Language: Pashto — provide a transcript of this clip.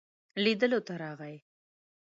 لیدلو ته راغی.